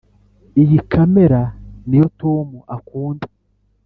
iyi kamera niyo tom akunda.